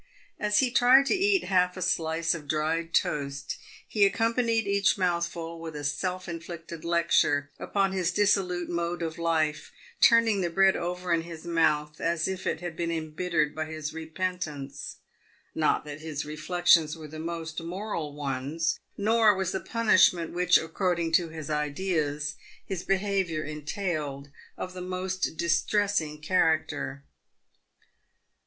As he tried to eat half a slice of dried toast he accompanied each mouthful with a. self inflicted lecture upon his dissolute mode of life, turning the bread over in his mouth as if it had been embittered by his repentance. Not that his reflections were the most moral ones, nor was the punishment which, according to his ideas, his behaviour entailed, of the most distressing character.